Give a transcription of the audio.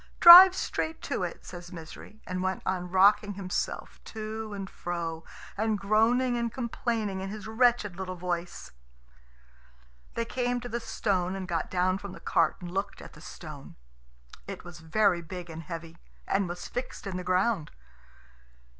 "Drive straight to it," says Misery, and went on rocking himself to and fro, and groaning and complaining in his wretched little voice. They came to the stone, and got down from the cart and looked at the stone. It was very big and heavy, and was fixed in the ground.